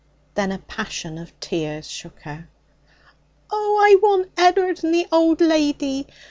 Then a passion of tears shook her. 'Oh, I want Ed'ard and the old lady!